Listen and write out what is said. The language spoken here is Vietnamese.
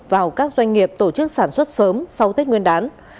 vào các doanh nghiệp tổ chức sản xuất sớm sau tết nguyên đán